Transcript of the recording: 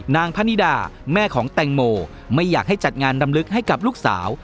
นางพนิดาแม่ของแตงโมไม่อยากให้จัดงานรำลึกให้กับลูกสาว